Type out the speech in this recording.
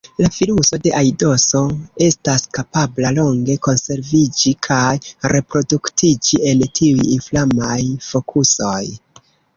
La viruso de aidoso estas kapabla longe konserviĝi kaj reproduktiĝi en tiuj inflamaj fokusoj.